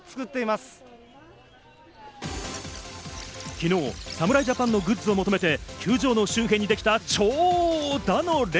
昨日、侍ジャパンのグッズを求めて球場の周辺にできた長蛇の列。